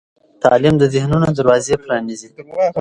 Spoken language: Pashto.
تعلیم د ذهنونو دروازې پرانیزي.